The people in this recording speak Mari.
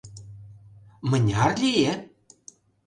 Мыняр лие?